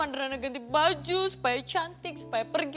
anderan ander ganti baju supaya cantik supaya pergi